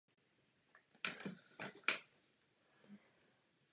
Jako zkratka se používá zejména ve speciální teorii relativity.